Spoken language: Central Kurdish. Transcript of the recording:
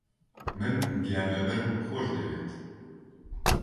من گیانلەبەرم خۆش دەوێت.